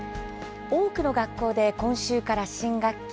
多くの学校で今週から新学期。